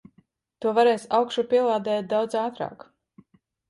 To varēs augšupielādēt daudz ātrāk.